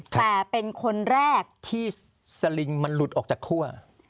แต่เป็นคนแรกที่สลิงมันหลุดออกจากคั่ว